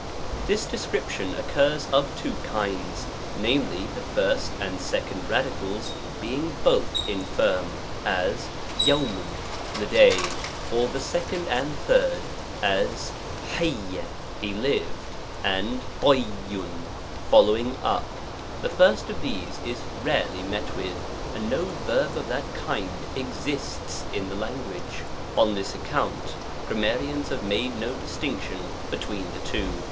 This description oc urs of tvyo kinds, viz. the first $nd second radicals #0 s being both infirm, as ^ the day ; or the second and third, as ^ ht lived, and '^ folding up. The first of these is rarely met with, and no verb of that kind exists in the language. On this account, gram marians have made no distinction between the two.